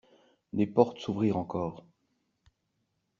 Des portes s'ouvrirent encore.